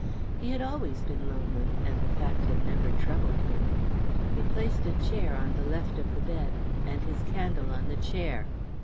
He had always been lonely, and the fact had never troubled him; he placed a chair on the left of the bed and his candle on the chair.